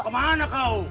kau mau kemana kau